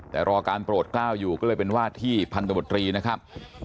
แต่รอการโปรดกล้าวอยู่ก็เลยเป็นวาดที่พันธบตรีนะครับ